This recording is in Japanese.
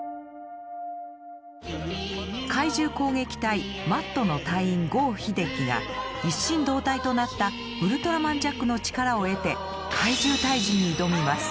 怪獣攻撃隊ＭＡＴの隊員郷秀樹が一心同体となったウルトラマンジャックの力を得て怪獣退治に挑みます。